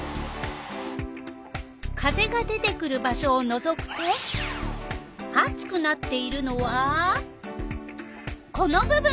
風が出てくる場所をのぞくとあつくなっているのはこの部分。